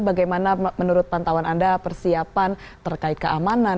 bagaimana menurut pantauan anda persiapan terkait keamanan